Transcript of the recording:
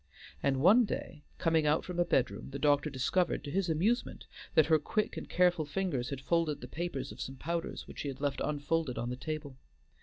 And one day, coming out from a bedroom, the doctor discovered, to his amusement, that her quick and careful fingers had folded the papers of some powders which he had left unfolded on the table.